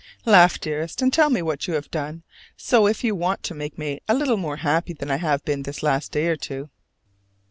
Laugh, dearest, and tell me that you have done so if you want to make me a little more happy than I have been this last day or two.